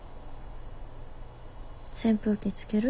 扇風機つける？